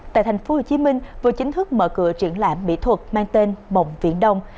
tại thành phố hồ chí minh vừa chính thức mở cửa trưởng lãm mỹ thuật mang tên mộng viện đông